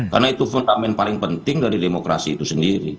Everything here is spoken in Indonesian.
karena itu fundament paling penting dari demokrasi itu sendiri